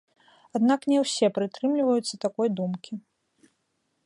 Аднак не ўсе прытрымліваюцца такой думкі.